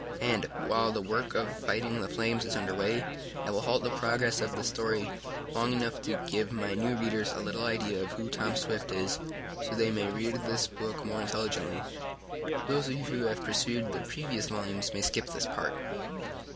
And, while the work of fighting the flames is under way, I will halt the progress of this story long enough to give my new readers a little idea of who Tom Swift is, so they may read this book more intelligently. Those of you who have perused the previous volumes may skip this part.